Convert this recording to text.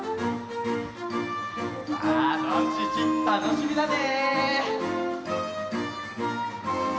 さあどんちっちたのしみだね！